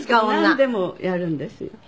なんでもやるんですよ。